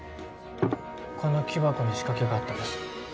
この木箱に仕掛けがあったんです。